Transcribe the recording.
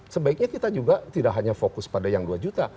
sebaiknya kita juga tidak hanya fokus pada yang dua juta